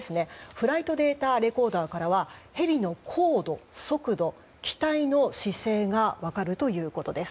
フライトデータレコーダーからはヘリの高度、速度、機体の姿勢が分かるということです。